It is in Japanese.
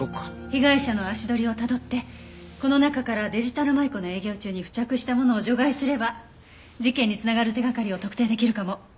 被害者の足取りをたどってこの中からデジタル舞子の営業中に付着したものを除外すれば事件に繋がる手掛かりを特定できるかも。